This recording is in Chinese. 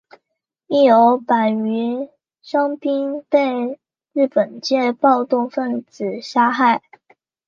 亦有百余伤兵被日本籍暴动分子杀害。